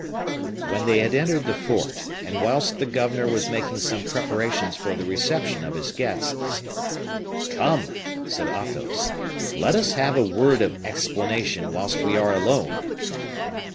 When they had entered the fort, and whilst the governor was making some preparations for the reception of his guests, "Come," said Athos, "let us have a word of explanation whilst we are alone."